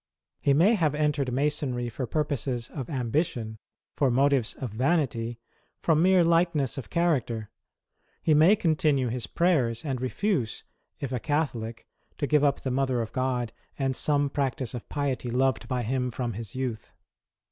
He may have entered Masonry for purposes of ambitioUj for motives of vanity, from mere lightness of character. He may continue his prayers, and refuse, if a Catholic, to give up the Mother of God and some practice of piety loved by him from his youth.